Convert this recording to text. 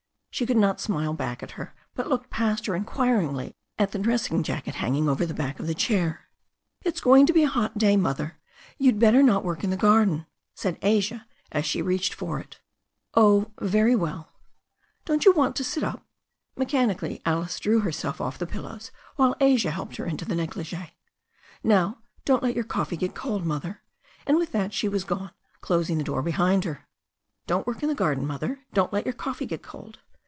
She could not smile back at her, but she looked past her inquiringly at her dressing jacket hang ing over the back of the chair. "It's going to be a hot day. Mother. You'd better not work in the garden," said Asia, as she reached for it. '*0h, very well." "Don't you want to sit up?" Mechanically Alice drew herself off the pillows, while Asia helped her into her negligee. "Now, don't let your coffee get cold, Mother," and with that she was gone, closing the door behind her. "Don't work in the garden. Mother. Don't let your coffee get cold."